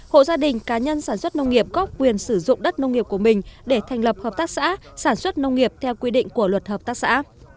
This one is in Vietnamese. hộ gia đình cá nhân sản xuất nông nghiệp có quyền sử dụng đất nông nghiệp của mình để thành lập hợp tác xã sản xuất nông nghiệp theo quy định của luật hợp tác xã